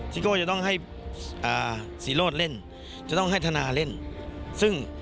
ซิโก้จะต้องให้ศรีรถเล่นจะต้องให้ธนาเล่น